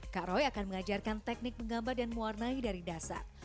kak roy akan mengajarkan teknik menggambar dan mewarnai dari dasar